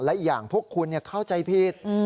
และอย่างพวกคุณเข้าใจผิด